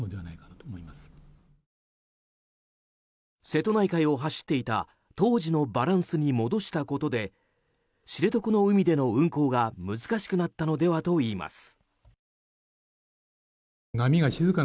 瀬戸内海を走っていた当時のバランスに戻したことで知床の海での運航が難しくなったのではといいます。